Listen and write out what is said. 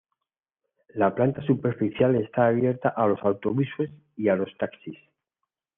La planta superficial está abierta a los autobuses y a los taxis.